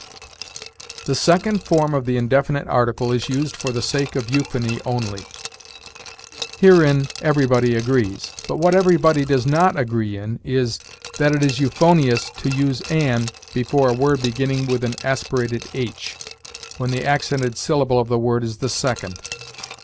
The second form of the indefinite article is used for the sake of euphony only. Herein everybody agrees, but what everybody does not agree in is, that it is euphonious to use an before a word beginning with an aspirated h, when the accented syllable of the word is the second.